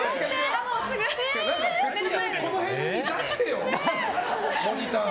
この辺に出してよモニターを。